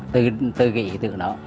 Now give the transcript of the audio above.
từ cái ý tưởng đó